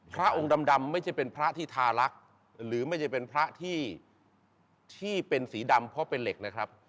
พระองค์ดำไม่ใช่เป็นพระที่ทารักหรือไม่ใช่เป็นพระที่เป็นสีดำเพราะเป็นเหล็กนะครับ